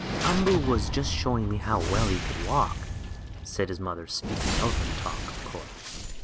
"Umboo was just showing me how well he could walk," said his mother, speaking elephant talk, of course.